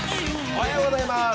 おはようございます。